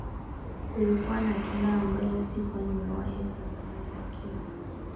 Kulikuwa na tunda ambalo sikuwa nimewahi kuliona lakini